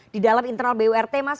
di dalam internal burt mas